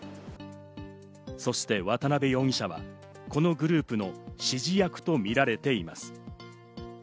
そして渡辺容疑者はこのグループの指示役とみられています。